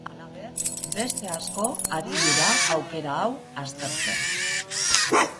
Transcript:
Halaber, beste asko ari dira aukera hau aztertzen.